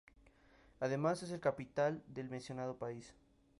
Además, es la capital del mencionado país.